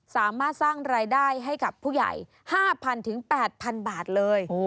สามารถสร้างรายได้ให้กับผู้ใหญ่๕๐๐๐๘๐๐บาทเลย